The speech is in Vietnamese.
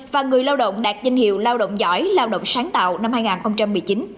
và người lao động đạt danh hiệu lao động giỏi lao động sáng tạo năm hai nghìn một mươi chín